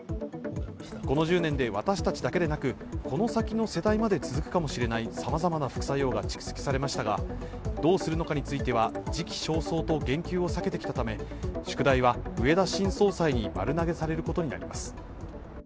この１０年で私たちだけでなくこの先の世代まで続くかもしれないさまざまな副作用が蓄積されましたが、どうするのかについては時期尚早と言及を避けてしたため宿題は植田新総裁に丸投げされることになります。